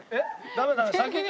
ダメダメ先に。